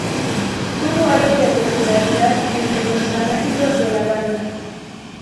Tuvo algo de popularidad entre los fanáticos de la banda.